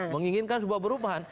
menginginkan sebuah perubahan